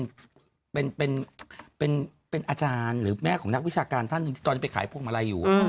เป็นเป็นเป็นเป็นเป็นอาจารย์หรือแม่ของนักวิชาการท่านหนึ่งที่ตอนนี้ไปขายพวกอะไรอยู่